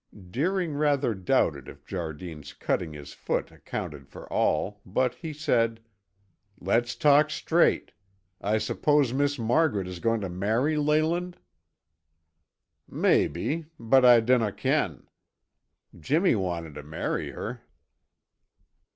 Deering rather doubted if Jardine's cutting his foot accounted for all, but he said, "Let's talk straight! I suppose Miss Margaret is going to marry Leyland?" "Maybe, but I dinna ken. Jimmy wanted to marry her."